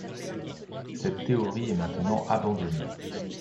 Cette théorie est maintenant abandonnée.